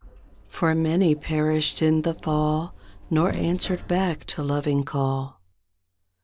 For many perished in the fall Nor answered back to loving call.